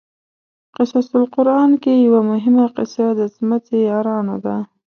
قصص القران کې یوه مهمه قصه د څمڅې یارانو ده.